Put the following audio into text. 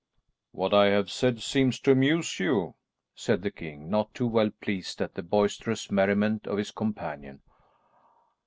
"What I have said seems to amuse you," said the king not too well pleased at the boisterous merriment of his companion.